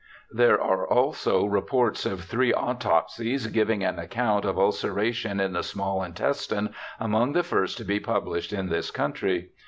There are also reports of three autopsies giving an account of ulcera tion in the small intestine, among the first to be pub lished in this country.